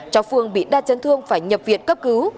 cháu phương bị đa chấn thương phải nhập viện cấp cứu